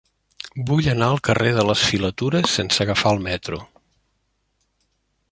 Vull anar al carrer de les Filatures sense agafar el metro.